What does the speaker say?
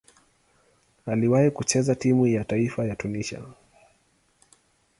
Aliwahi kucheza timu ya taifa ya Tunisia.